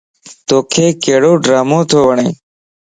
توک ڪھڙو ڊرامو تو وڻ؟